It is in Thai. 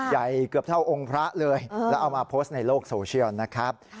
ใหญ่เกือบเท่าองค์พระเลยแล้วเอามาโพสต์ในโลกโซเชียลนะครับ